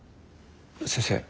先生。